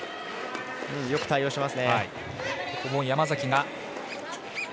よく対応していますね。